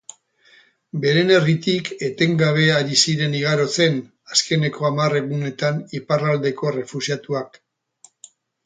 Beren herritik etengabe ari ziren igarotzen, azkeneko hamar egunetan, Iparraldeko errefuxiatuak.